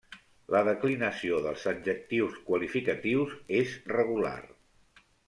La declinació dels adjectius qualificatius és regular.